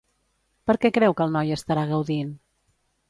Per què creu que el noi estarà gaudint?